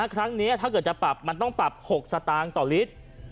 ถ้าเกิดจะปรับมันต้องปรับ๖สตางค์ต่อลิตร